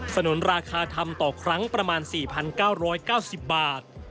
สนุนราคาทำต่อครั้งประมาณ๔๙๙๐บาท